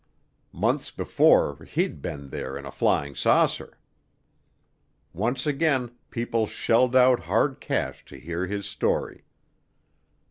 Months before he'd been there in a flying saucer. Once again people shelled out hard cash to hear his story.